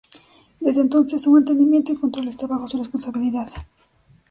Desde entonces su mantenimiento y control está bajo su responsabilidad.